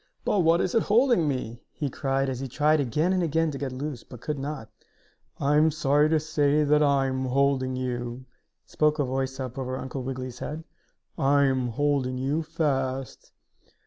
"But what is it holding me?" he cried, as he tried again and again to get loose, but could not. "I am sorry to say I am holding you!" spoke a voice up over Uncle Wiggily's head. "I am holding you fast!"